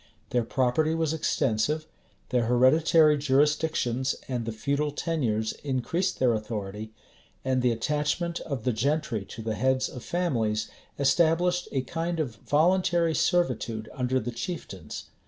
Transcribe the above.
Their property was extensive; their hereditary jurisdictions and the feudal tenures increased their authority; and the attachment of the gentry to the heads of families established a kind of voluntary servitude under the chieftains.